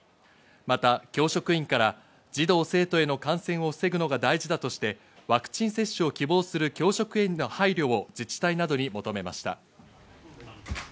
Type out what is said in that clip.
また教職員から児童生徒への感染を防ぐのが大事だとして、ワクチン接種を希望する教職員への配慮を自治体などに求めました。